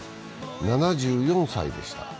７４歳でした。